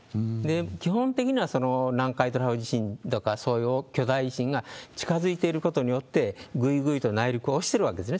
基本的には、その南海トラフ地震とか、そういう巨大地震が近づいていることによって、ぐいぐいと内陸を押してるわけですね。